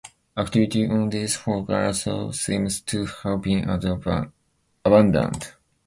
Activity on this fork also seems to have been abandoned.